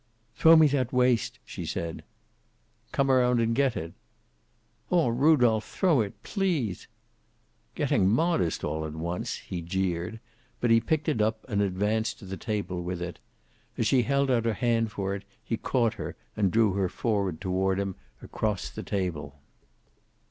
"Throw me that waist," she said. "Come around and get it." "Aw, Rudolph, throw it. Please!" "Getting modest, all at once," he jeered. But he picked it up and advanced to the table with it. As she held out her hand for it he caught her and drew her forward toward him, across the table.